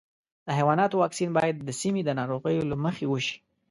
د حیواناتو واکسین باید د سیمې د ناروغیو له مخې وشي.